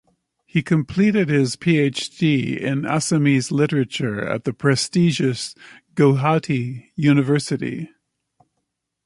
He completed his PhD in Assamese literature at the prestigious Gauhati University.